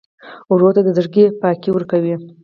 ورور ته د زړګي پاکي ورکوې.